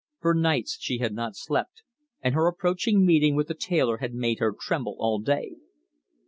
For nights she had not slept, and her approaching meeting with the tailor had made her tremble all day.